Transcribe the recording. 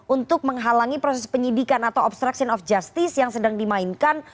untuk menghalangi proses penyidikan atau obstruction of justice yang sedang dimainkan